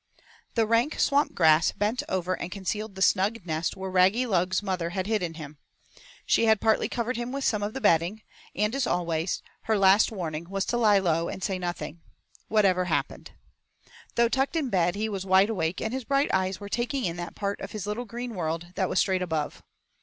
I The rank swamp grass bent over and concealed the snug nest where Raggylug's mother had hidden him. She had partly covered him with some of the bedding, and, as always, her last warning was to lie low and say nothing, whatever happens. Though tucked in bed, he was wide awake and his bright eyes were taking in that part of his little green world that was straight above.